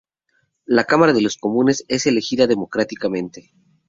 La Cámara de los Comunes es elegida democráticamente.